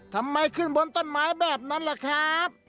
ทำไมขึ้นบนต้นไม้แบบนั้นล่ะครับ